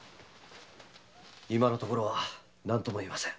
今のところは何とも言えません。